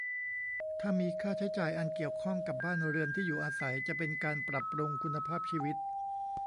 ถ้ามีค่าใช้จ่ายอันเกี่ยวข้องกับบ้านเรือน ที่อยู่อาศัย จะเป็นการปรับปรุงคุณภาพชีวิต